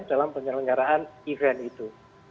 dalam penyelenggaraan event itu